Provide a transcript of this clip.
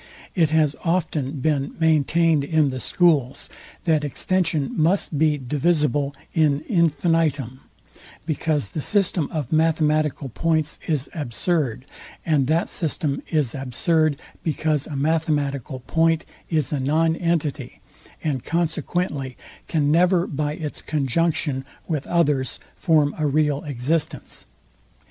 It has often been maintained in the schools, that extension must be divisible, in infinitum, because the system of mathematical points is absurd; and that system is absurd, because a mathematical point is a non entity, and consequently can never by its conjunction with others form a real existence.